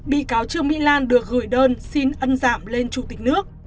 bị cáo trương mỹ lan được gửi đơn xin ân giảm lên chủ tịch nước